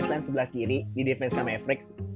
sebelah kiri di defense sama evericks